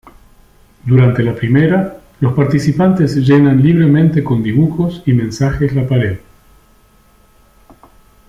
Durante la primera, los participantes llenan libremente con dibujos y mensajes la pared.